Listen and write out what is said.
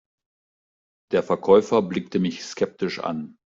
Der Verkäufer blickte mich skeptisch an.